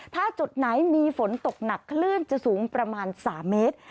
ถ้าจุดไหนมีฝนตกหนักคลื่นจะสูงประมาณ๓เมตร